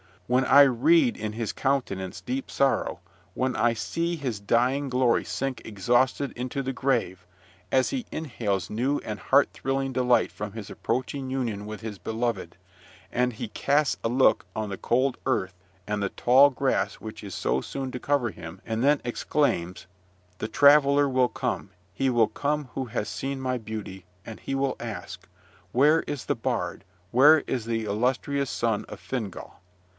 When I read in his countenance deep sorrow, when I see his dying glory sink exhausted into the grave, as he inhales new and heart thrilling delight from his approaching union with his beloved, and he casts a look on the cold earth and the tall grass which is so soon to cover him, and then exclaims, "The traveller will come, he will come who has seen my beauty, and he will ask, 'Where is the bard, where is the illustrious son of Fingal?'